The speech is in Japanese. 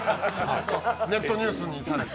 ネットニュースにされて。